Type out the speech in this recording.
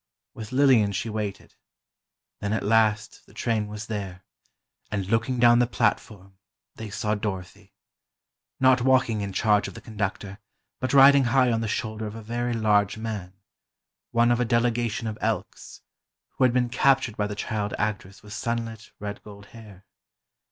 With Lillian she waited ... then at last the train was there, and looking down the platform, they saw Dorothy—not walking in charge of the conductor, but riding high on the shoulder of a very large man, one of a delegation of Elks, who had been captured by the child actress with sunlit, red gold hair.